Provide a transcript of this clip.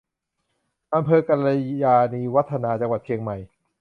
อำเภอกัลยาณิวัฒนา จังหวัดเชียงใหม่